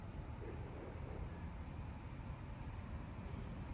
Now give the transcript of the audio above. Přesný mechanismus účinku zatím není známý.